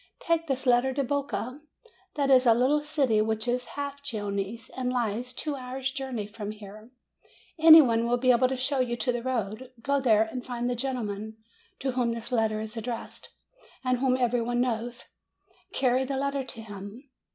Take this letter to Boca. That is a little city which is half Genoese, and lies two hours' journey from here. Any one will be able to show you the road. Go there and find the gentleman to whom this letter is addressed, and whom every one knows. Carry the letter to him.